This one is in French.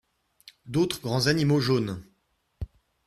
D'autres grands animaux jaunes.